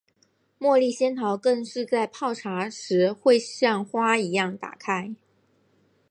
茉莉仙桃更是在泡茶时会像花一样打开。